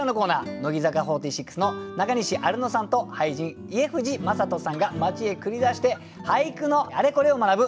乃木坂４６の中西アルノさんと俳人家藤正人さんが町へ繰り出して俳句のあれこれを学ぶ